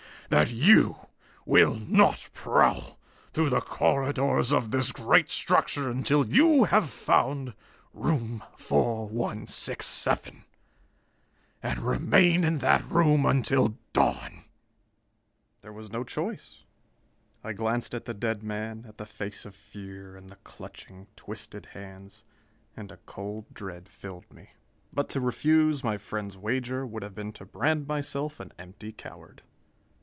That you will not prowl through the corridors of this great structure until you have found room 4167 and remain in that room until dawn!" There was no choice. I glanced at the dead man, at the face of fear and the clutching, twisted hands, and a cold dread filled me. But to refuse my friend's wager would have been to brand myself an empty coward.